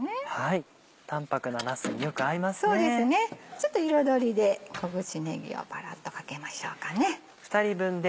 ちょっと彩りで小口ねぎをパラっとかけましょうかね。